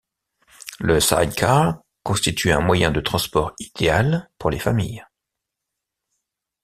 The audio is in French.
Le side-car constitue un moyen de transport idéal pour les familles.